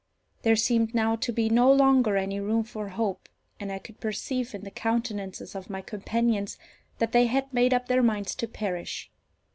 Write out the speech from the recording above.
There seemed now to be no longer any room for hope, and I could perceive in the countenances of my companions that they had made up their minds to perish.